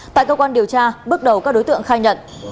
tại cơ quan điều tra bước đầu các đối tượng khai nhận